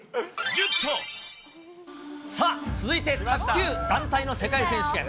さあ、続いて卓球団体の世界選手権。